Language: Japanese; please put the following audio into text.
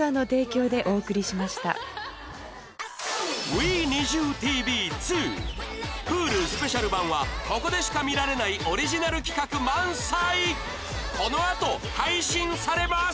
『ＷｅＮｉｚｉＵ！ＴＶ２』Ｈｕｌｕスペシャル版はここでしか見られないオリジナル企画満載この後配信されます！